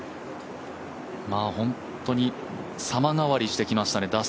本当に様変わりしてきましたね